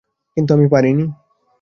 কিন্তু আমি পারিনি।